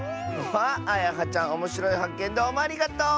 あやはちゃんおもしろいはっけんどうもありがとう！